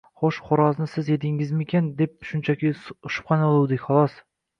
– O‘sha xo‘rozni siz yedingizmikan deb shunchaki shubhalanuvdik, xolos